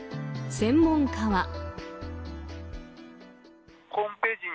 専門家は。